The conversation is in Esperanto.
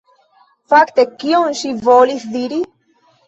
Fakte, kion ŝi volis diri?